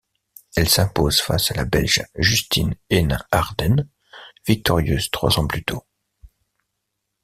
Elle s'impose face à la Belge Justine Henin-Hardenne, victorieuse trois ans plus tôt.